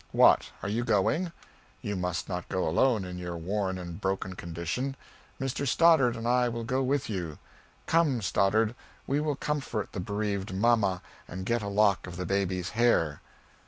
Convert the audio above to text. What, are you going? You must not go alone in your worn and broken condition; Mr. Stoddard and I will go with you. Come, Stoddard. We will comfort the bereaved mamma and get a lock of the baby's hair."